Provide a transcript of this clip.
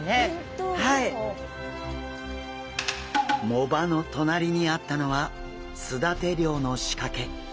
藻場の隣にあったのはすだて漁の仕掛け。